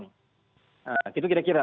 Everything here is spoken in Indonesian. nah gitu kira kira